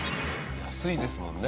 安いですもんね。